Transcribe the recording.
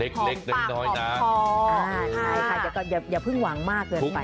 ของปากของคออย่าเพิ่งหวังมากเกินไป